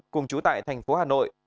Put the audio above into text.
cùng chú tại thành phố hà nội